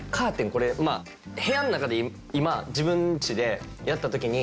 これまあ部屋の中で今自分ちでやった時に。